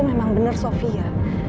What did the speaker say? memang benar sofia